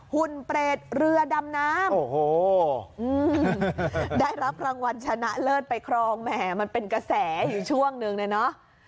หุ่นเปรตเรือดำน้ำครึ่งไหมมันเป็นกระแสอยู่ช่วงหนึ่งนะ